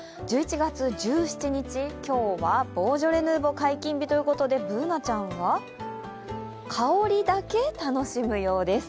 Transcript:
１１月１７日、今日はボージョレ・ヌーボー解禁日ということでＢｏｏｎａちゃんは香りだけ楽しむようです。